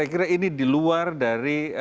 saya kira ini di luar dari